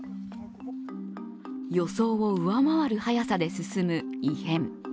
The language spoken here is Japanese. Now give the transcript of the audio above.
予想を上回る早さで進む異変。